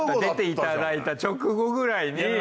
出ていただいた直後くらいに。